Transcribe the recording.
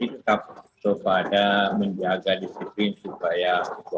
tetap menjaga disiplin supaya